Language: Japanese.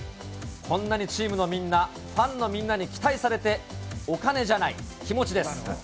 こんなにチームのみんな、ファンのみんなに期待されて、お金じゃない、気持ちです。